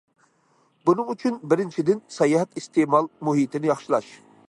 بۇنىڭ ئۈچۈن، بىرىنچىدىن، ساياھەت ئىستېمال مۇھىتىنى ياخشىلاش.